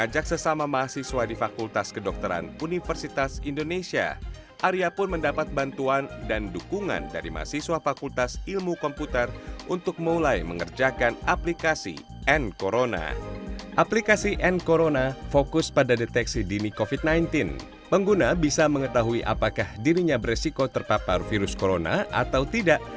corona bisa mengetahui apakah dirinya beresiko terpapar virus corona atau tidak